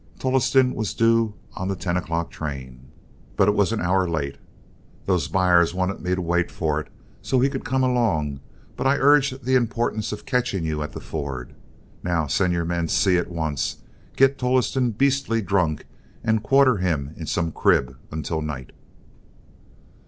"Tolleston was due on the ten o'clock train, but it was an hour late. Those buyers wanted me to wait for it, so he could come along, but I urged the importance of catching you at the ford. Now, send your man Seay at once, get Tolleston beastly drunk, and quarter him in some crib until night."